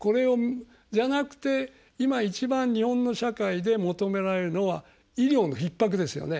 じゃなくて今一番日本の社会で求められるのは医療のひっ迫ですよね。